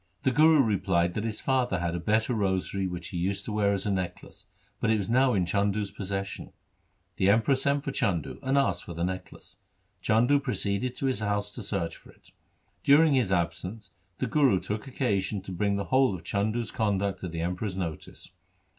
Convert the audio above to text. The Guru replied, that his father had a better rosary which he used to wear as a necklace, but it was now in Chandu's possession. The Em peror sent for Chandu and asked for the necklace. Chandu proceeded to his house to search for it. During his absence the Guru took occasion to bring the whole of Chandu's conduct to the Emperor's notice.